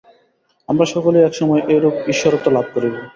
আমরা সকলেই এক সময়ে এরূপ ঈশ্বরত্ব লাভ করিব।